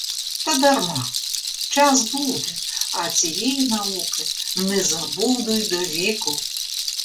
Та дарма — час буде, а цієї науки не забуду й довіку!